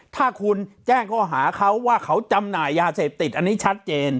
ถ้าคุณแจ้งข้อหาเขาว่าเขาจำหน่ายยาเสพติดอันนี้ชัดเจน